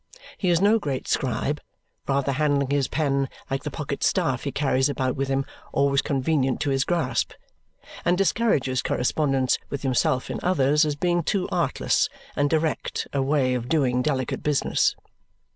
He is no great scribe, rather handling his pen like the pocket staff he carries about with him always convenient to his grasp, and discourages correspondence with himself in others as being too artless and direct a way of doing delicate business.